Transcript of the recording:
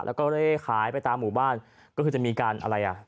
แล้วก็เร่ขายไปตามหมู่บ้านก็คือจะมีการอะไรอ่ะ